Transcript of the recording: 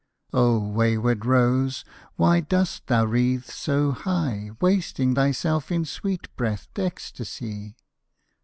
O wayward rose, why dost thou wreathe so high, Wasting thyself in sweet breath'd ecstasy?